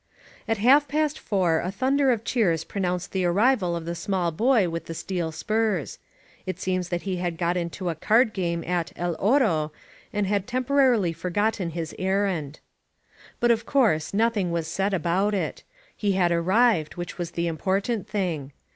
At half past four a thunder of cheers announced the arrival of the small boy with the steel spurs. It seems that he had got into a card game at El Oro, and had temporarily forgotten his errand. But, of course, nothing was said about it. He had arrived, which was the important thing.